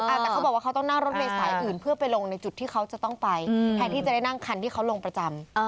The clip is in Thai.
แต่เขาบอกว่าเขาต้องนั่งรถเมษายอื่นเพื่อไปลงในจุดที่เขาจะต้องไปแทนที่จะได้นั่งคันที่เขาลงประจำ